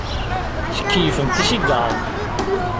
Tkeyyfemt isigaṛen.